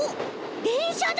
でんしゃだ！